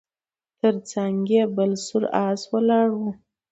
تر څنګ یې بل سور آس ولاړ و